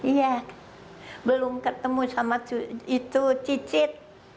iya belum ketemu sama itu cicit